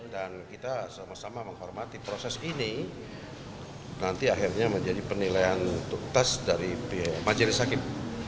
dan kita sama sama menghormati proses ini nanti akhirnya menjadi penilaian untuk tas dari pihak majelis sakit